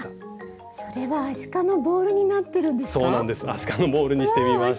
アシカのボールにしてみました。